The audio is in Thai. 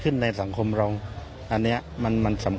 คุณยายบอกว่ารู้สึกเหมือนใครมายืนอยู่ข้างหลัง